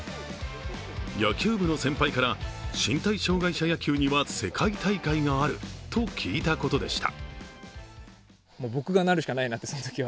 野球部の先輩から、身体障害者野球には世界大会があると聞いたことでした。